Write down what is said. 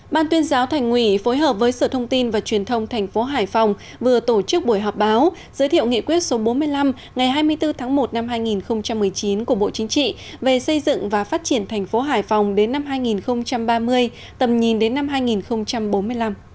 ban tuyên giáo thành ủy phối hợp với sở thông tin và truyền thông thành phố hải phòng vừa tổ chức buổi họp báo giới thiệu nghị quyết số bốn mươi năm ngày hai mươi bốn tháng một năm hai nghìn một mươi chín của bộ chính trị về xây dựng và phát triển thành phố hải phòng đến năm hai nghìn ba mươi tầm nhìn đến năm hai nghìn bốn mươi năm